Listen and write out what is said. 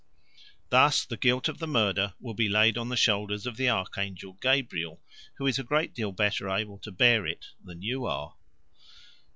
Thus the guilt of the murder will be laid on the shoulders of the archangel Gabriel, who is a great deal better able to bear it than you are.